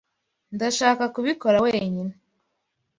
Ndashaka kubikora wenyine.